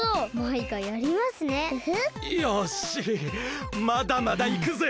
よしまだまだいくぜ。